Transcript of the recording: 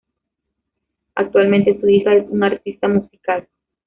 Actualmente su hija es una artista musical.